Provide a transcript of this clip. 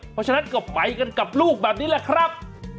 เพราะฉะนั้นก็ไปกันกับลูกแบบนี้แหละครับ